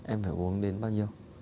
em phải uống đến bao nhiêu